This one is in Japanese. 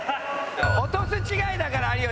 落とす違いだから有吉。